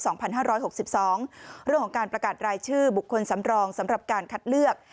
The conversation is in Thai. เรื่องของการประกาศรายชื่อบุคคลสำรองสำหรับการคัดเลือก